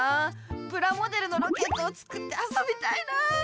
プラモデルのロケットを作ってあそびたいな。